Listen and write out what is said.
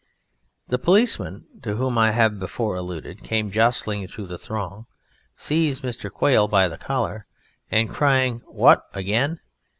The policeman (to whom I have before alluded) came jostling through the throng, seized Mr. Quail by the collar, and crying "What! Again?"